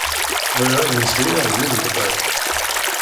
Bɣiɣ ad meslayeɣ d yimḍebber-ik.